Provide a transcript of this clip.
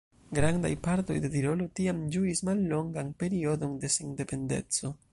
Grandaj partoj de Tirolo tiam ĝuis mallongan periodon de sendependeco.